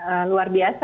ya ini luar biasa ya